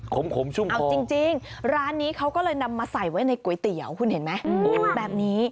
ขมชุ่มคอนิดนึง